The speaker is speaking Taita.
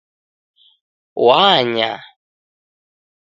Wanya